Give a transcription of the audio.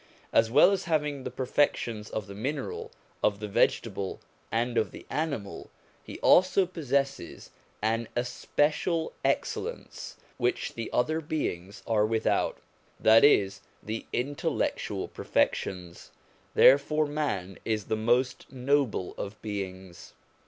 As well as having the perfections of the mineral, of the vegetable, and of the animal, he also possesses an especial excellence which the other beings are without; that is, the intellectual perfections. Therefore man is the most noble of beings.